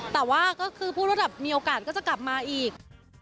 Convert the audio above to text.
แต่ว่าก็คือพูดว่าแบบมีโอกาสก็จะกลับมาอีก